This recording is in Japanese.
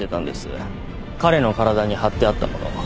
彼の体に張ってあった物。